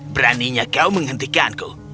beraninya kau menghentikanku